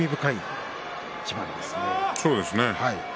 そうですね。